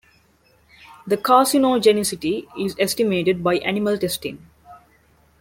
The carcinogenicity is estimated by animal testing.